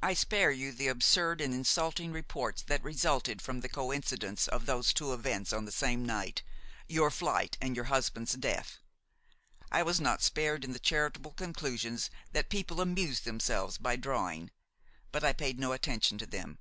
"I spare you the absurd and insulting reports that resulted from the coincidence of those two events on the same night, your flight and your husband's death. I was not spared in the charitable conclusions that people amused themselves by drawing; but I paid no attention to them.